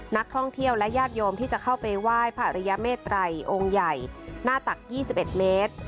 นักท่องเที่ยวและญาติโยมที่จะเข้าไปไหว้พระอริยเมตรัยองค์ใหญ่หน้าตัก๒๑เมตร